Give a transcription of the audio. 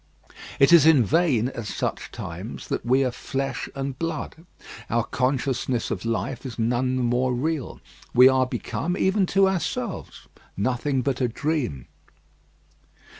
It is in vain, at such times, that we are flesh and blood; our consciousness of life is none the more real: we are become, even to ourselves, nothing but a dream.